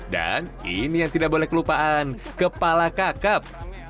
ini yang tidak boleh kelupaan kepala kakap